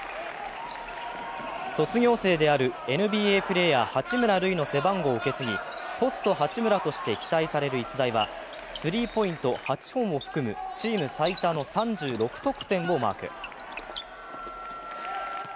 卒業生であるＮＢＡプレーヤー八村塁の背番号を受け継ぎ、ポスト八村として期待される逸材はスリーポイント８本を含むチーム最多の３６得点をマーク。